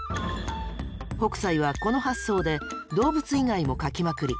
北斎はこの発想で動物以外も描きまくり。